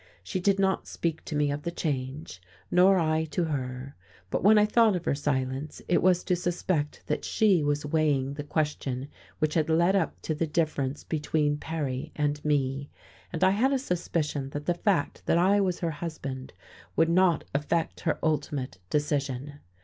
She did not speak to me of the change, nor I to her; but when I thought of her silence, it was to suspect that she was weighing the question which had led up to the difference between Perry and me, and I had a suspicion that the fact that I was her husband would not affect her ultimate decision.